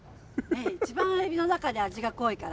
一番、えびの中で味が濃いから。